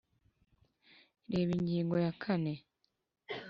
reba ingingo ya kane